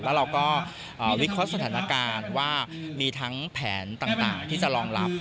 แล้วเราก็วิเคราะห์สถานการณ์ว่ามีทั้งแผนต่างที่จะรองรับ